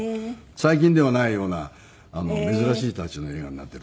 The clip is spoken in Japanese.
最近ではないような珍しいタッチの映画になってると思います。